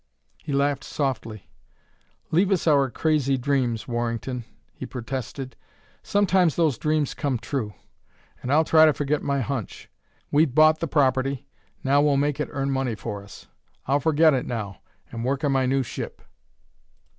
He laughed softly. "Leave us our crazy dreams, Warrington," he protested; "sometimes those dreams come true.... And I'll try to forget my hunch. We've bought the property; now we'll make it earn money for us. I'll forget it now, and work on my new ship.